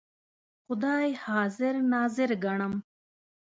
خدای حاضر ناظر ګڼم.